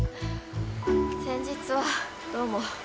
先日はどうも。